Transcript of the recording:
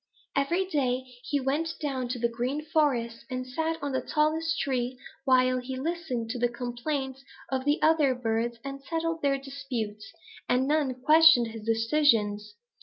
Every day he went down to the Green Forest and sat on the tallest tree while he listened to the complaints of the other birds and settled their disputes, and none questioned his decisions.